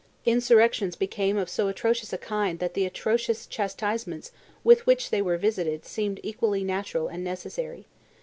Insurrections became of so atrocious a kind that the atrocious chastisements with which they were visited seemed equally natural and necessary.